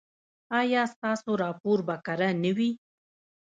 ایا ستاسو راپور به کره نه وي؟